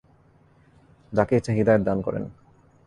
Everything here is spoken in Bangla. যাকে ইচ্ছা হিদায়াত দান করেন।